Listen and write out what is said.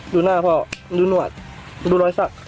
ดูหน้าพ่อดูหนวดดูรอยสัก